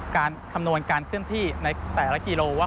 คำนวณการเคลื่อนที่ในแต่ละกิโลว่า